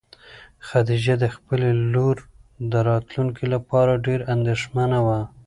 خدیجه د خپلې لور د راتلونکي لپاره ډېره اندېښمنه وه.